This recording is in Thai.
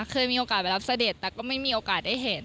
เคยมีโอกาสไปรับเสด็จแต่ก็ไม่มีโอกาสได้เห็น